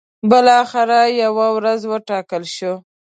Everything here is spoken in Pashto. بالاخره یوه ورځ وټاکل شوه.